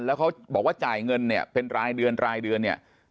แล้วเขาบอกว่าจ่ายเงินเนี่ยเป็นรายเดือนรายเดือนเนี่ย